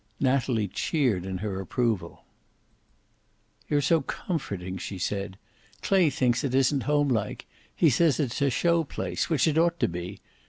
Natalie cheered in her approval. "You're so comforting," she said. "Clay thinks it isn't homelike. He says it's a show place which it ought to be.